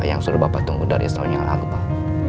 yang suruh bapak tunggu dari selalunya lalu pak